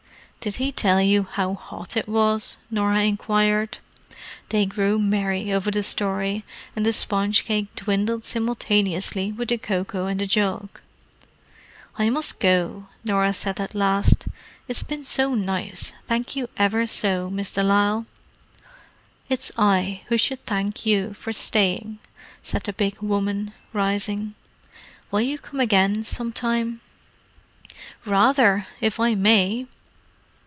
"Did he tell you how hot it was?" Norah inquired. They grew merry over the story, and the spongecake dwindled simultaneously with the cocoa in the jug. "I must go," Norah said at last. "It's been so nice: thank you ever so, Miss de Lisle." "It's I who should thank you for staying," said the big woman, rising. "Will you come again, some time?" "Rather! if I may.